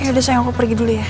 sudah sayang aku pergi dulu ya